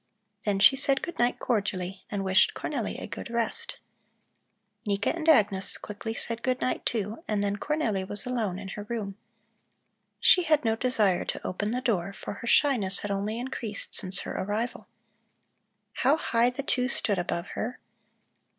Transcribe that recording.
Then she said good night cordially and wished Cornelli a good rest. Nika and Agnes quickly said good night, too, and then Cornelli was alone in her room. She had no desire to open the door, for her shyness had only increased since her arrival. How high the two stood above her!